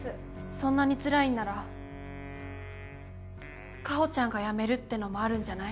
そんなにつらいんなら夏帆ちゃんが辞めるってのもあるんじゃない？